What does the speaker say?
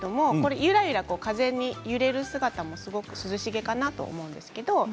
ゆらゆら風に揺れる姿がすごく涼しげかなと思います。